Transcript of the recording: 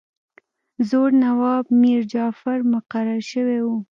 زوړ نواب میرجعفر مقرر شوی وو.